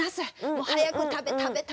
もう早く食べ食べ食べ！」。